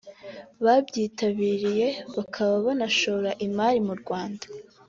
babyitabiriye bakaba banashora imari mu Rwanda